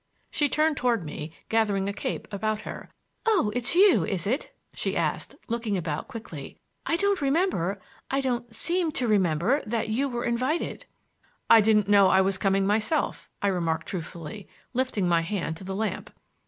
She turned toward me, gathering a cape about her. "Oh, it's you, is it?" she asked, looking about quickly. "I don't remember—I don't seem to remember—that you were invited." "I didn't know I was coming myself," I remarked truthfully, lifting my hand to the lamp.